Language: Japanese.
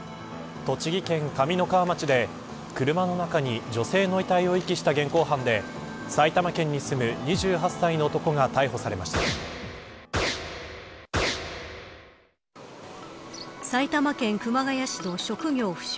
栃木県カミノカワ町で車の中に女性の遺体を遺棄した現行犯で埼玉県に住む２８歳の男が埼玉県熊谷市の職業不詳